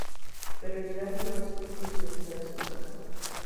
Pero llegaron malos tiempos y el dinero se les acabó.